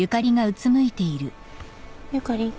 ゆかりん？